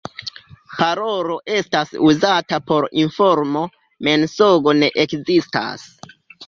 Parolo estas uzata por informo, mensogo ne ekzistas.